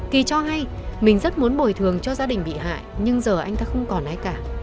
kỳ cho hay mình rất muốn bồi thường cho gia đình bị hại nhưng giờ anh ta không còn ai cả